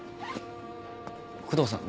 工藤さん？